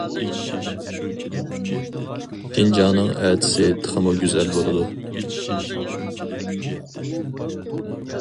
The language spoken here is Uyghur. شىنجاڭنىڭ ئەتىسى تېخىمۇ گۈزەل بولىدۇ.